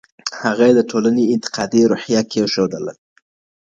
هغه د ټولنې انتقادي روحيه کېښودله.